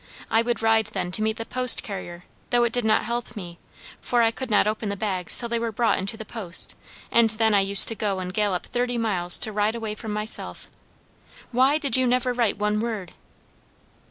I would ride then to meet the post carrier, though it did not help me, for I could not open the bags till they were brought into the post; and then I used to go and gallop thirty miles to ride away from myself. Why did you never write one word?"